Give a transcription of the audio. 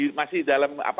kita bisa masih dalam negara